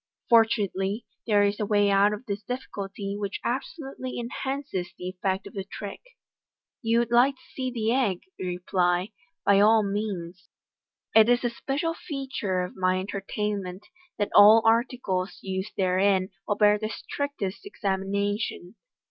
For tunately, there is a way out of the difficulty which absolutely enhances the effect of the trick. " You would like to see the egg," you reply j " by all means. It is a special feature of my entertainment that all articles used therein will bear the strictest examination.